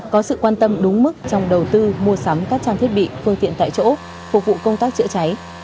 có sự quan tâm đúng mức trong đầu tư mua sắm các trang thiết bị phương tiện tại chỗ phục vụ công tác chữa cháy